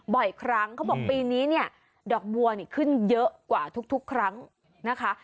บ่อยครั้งเขาบอกปีนี้เนี่ยดอกบัวนี่ขึ้นเยอะกว่าทุกครั้งนะคะ